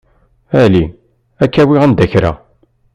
Ali. Ad k-awiɣ anda kra.